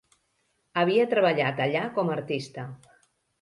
Havia treballat allà com artista.